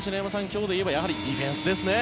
今日で言えばやはりディフェンスですね。